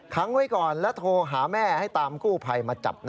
ไว้ก่อนแล้วโทรหาแม่ให้ตามกู้ภัยมาจับ